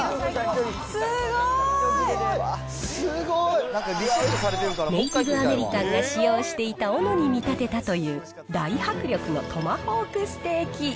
すごい！ネイティブアメリカンが使用していたおのに見立てたという、大迫力のトマホークステーキ。